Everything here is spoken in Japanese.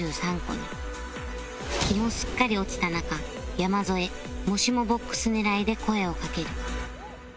日もすっかり落ちた中山添もしもボックス狙いで声をかける